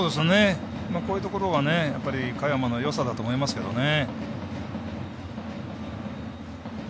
こういうところが嘉弥真のよさだと思いますけどね。